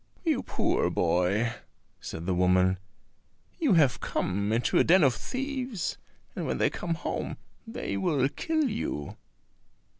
"You poor boy," said the woman, "you have come into a den of thieves, and when they come home they will kill you."